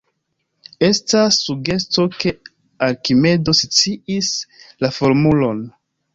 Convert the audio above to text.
Estas sugesto ke Arkimedo sciis la formulon.